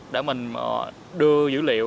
để mình đưa dữ liệu